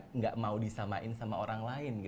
tidak mau disamain sama orang lain